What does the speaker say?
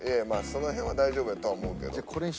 その辺は大丈夫やとは思うけど。